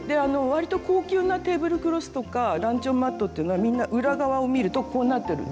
わりと高級なテーブルクロスとかランチョンマットっていうのはみんな裏側を見るとこうなってる。